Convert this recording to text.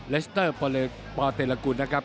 เลสเตอร์ปอเลิกปอเตรลกุลนะครับ